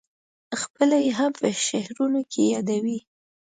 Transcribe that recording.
خپله یې هم په شعرونو کې یادوې.